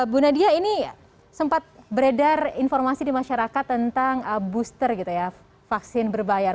bu nadia ini sempat beredar informasi di masyarakat tentang booster gitu ya vaksin berbayar